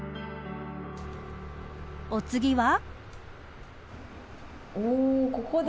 お次は。